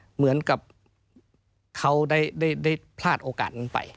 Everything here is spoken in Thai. เหมือนกับเขาได้พลาดโอกาสนั้นไป